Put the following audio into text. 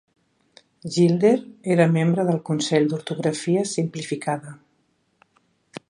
Gilder era membre del consell d'ortografia simplificada.